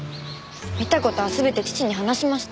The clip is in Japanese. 見た事は全て父に話しました。